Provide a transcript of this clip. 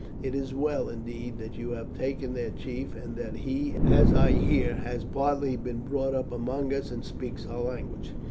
It is well, indeed, that you have taken their chief, and that he, as I hear, has partly been brought up among us and speaks our language."